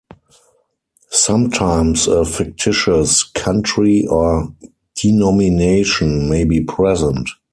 Sometimes a fictitious country or denomination may be present.